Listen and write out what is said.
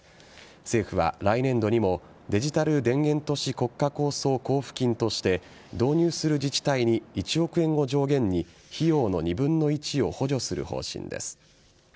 政府は来年度にもデジタル田園都市国家構想交付金として導入する自治体に１億円を上限に費用の２分の１を補助する方針です。